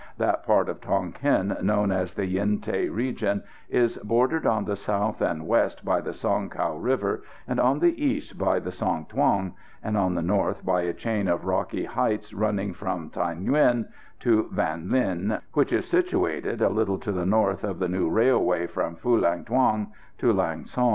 That part of Tonquin known as the Yen Thé region is bordered on the south and west by the Song Cau river, on the east by the Song Thuong, and on the north by a chain of rocky heights running from Thaï Nguyen to Vanh Linh, which is situated a little to the north of the new railway from Phulang Thuong to Lang son.